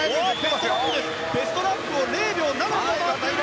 ベストラップを０秒７上回っている！